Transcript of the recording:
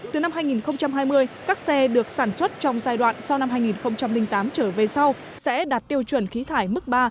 từ năm hai nghìn hai mươi các xe được sản xuất trong giai đoạn sau năm hai nghìn tám trở về sau sẽ đạt tiêu chuẩn khí thải mức ba